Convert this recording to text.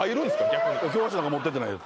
逆に教科書なんか持ってってないよ